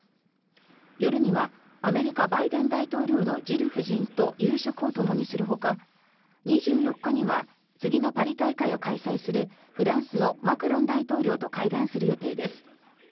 夜には、アメリカバイデン大統領のジル夫人と夕食をともにするほか２４日には次のパリ大会を開催するフランスのマクロン大統領と会談する予定です。